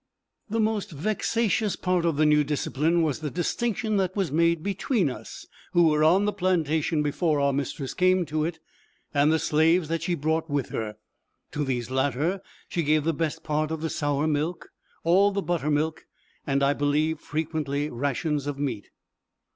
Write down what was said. The most vexatious part of the new discipline was the distinction that was made between us, who were on the plantation before our mistress came to it, and the slaves that she brought with her. To these latter, she gave the best part of the sour milk, all the buttermilk, and I believe frequently rations of meat.